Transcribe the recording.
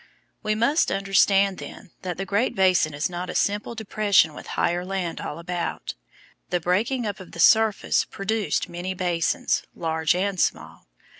We must understand, then, that the Great Basin is not a simple depression with higher land all about. The breaking up of the surface produced many basins, large and small.